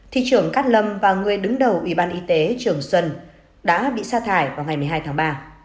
thị trưởng cát lâm và người đứng đầu ủy ban y tế trường xuân đã bị xa thải vào ngày một mươi hai tháng ba